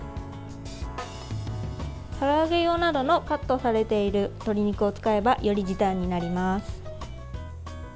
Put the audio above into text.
から揚げ用などのカットされている鶏肉を使えばより時短になります。